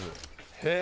へえ。